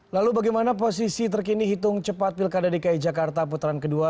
lalu bagaimana posisi terkini hitung cepat pilkada dki jakarta putaran kedua